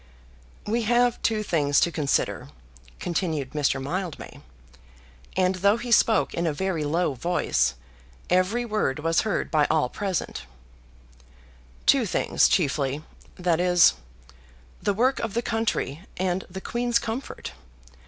"We have two things to consider," continued Mr. Mildmay, and though he spoke in a very low voice, every word was heard by all present, "two things chiefly, that is; the work of the country and the Queen's comfort.